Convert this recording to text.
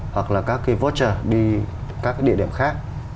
hoặc là các cái voucher đi các cái địa điểm khác